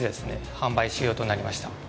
販売終了となりました